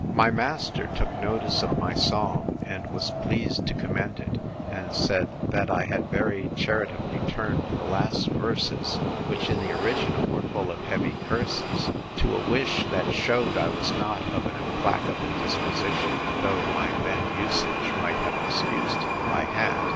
My master took notice of my psalm, and was pleased to commend it; and said, That I had very charitably turned the last verses, which, in the original, were full of heavy curses, to a wish that shewed I was not of an implacable disposition though my then usage might have excused it, if I had.